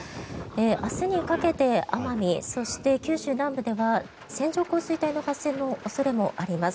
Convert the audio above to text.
明日にかけて奄美そして九州南部では線状降水帯の発生の恐れもあります。